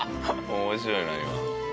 面白いな今の。